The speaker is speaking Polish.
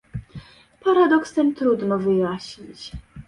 Paradoks ten trudno wyjaśnić